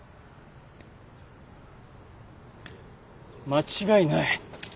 間違いない。